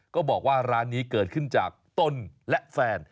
ก็บอกว่าร้านนี้เกิดขึ้นจากตนและแฟน